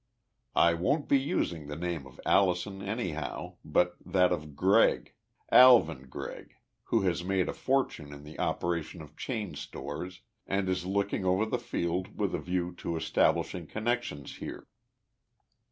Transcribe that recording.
I won't be using the name of Allison, anyhow, but that of Gregg Alvin Gregg who has made a fortune in the operation of chain stores and is looking over the field with a view to establishing connections here.